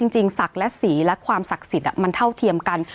จริงศักดิ์และสีและความศักดิ์สิทธิ์มันเท่าเทียมกัน